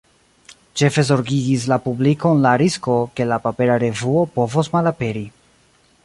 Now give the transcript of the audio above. Ĉefe zorgigis la publikon la risko, ke la papera revuo povos malaperi.